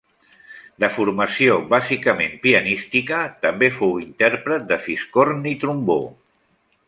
De formació bàsicament pianística, també fou intèrpret de fiscorn i trombó.